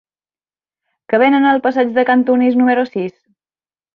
Què venen al passeig de Cantunis número sis?